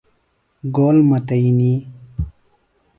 گول متئنی۔